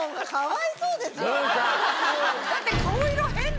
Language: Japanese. だって。